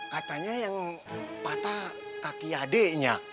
katanya yang patah kaki adiknya